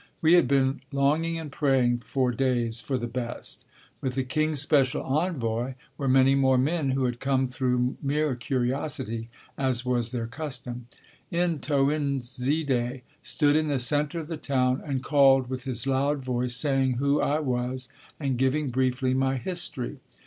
We had been longing and praying for days for the best. With the king's special envoy were many more men who had come through mere curiosity, as was their custom. N'Toinzide stood in the center of the town and called with his loud voice saying who I was and giving briefly my history.